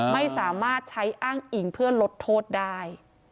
ไม่สามารถใช้อ้างอิงเพื่อลดโทษได้